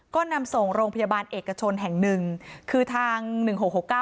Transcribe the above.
ก็นำส่งโรงพยาบาลเอกชนแห่งหนึ่งคือทางหนึ่งหกหกเก้า